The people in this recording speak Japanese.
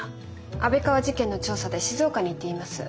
安倍川事件の調査で静岡に行っています。